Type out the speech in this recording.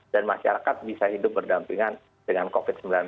dan masyarakat bisa hidup berdampingan dengan covid sembilan belas